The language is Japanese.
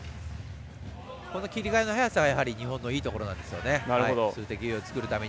この切り替えの速さが日本のいいところですね。